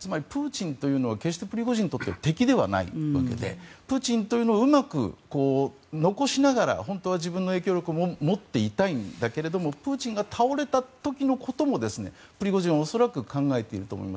つまり、プーチンというのは決してプリゴジンにとって敵ではないわけでプーチンというのをうまく残しながら本当は自分の影響力も持っていたいんだけどもプーチンが倒れた時のこともプリゴジンは恐らく、考えていると思います。